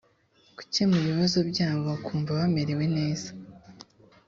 gukemura ibibazo byabo bakumva bamerewe neza